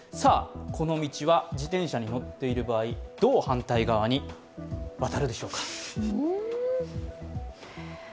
この道は、自転車に乗っている場合どう反対側に渡るでしょうか。